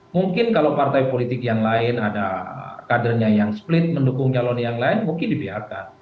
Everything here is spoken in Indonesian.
mungkin kalau partai politik yang lain ada kadernya yang split mendukung calon yang lain mungkin dibiarkan